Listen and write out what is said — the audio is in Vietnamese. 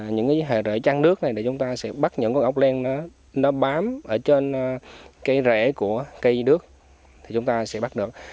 những cái hệ rễ trăng nước này để chúng ta sẽ bắt những con ốc len nó bám ở trên cây rễ của cây nước thì chúng ta sẽ bắt được